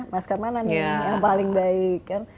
masker mana nih yang paling baik kan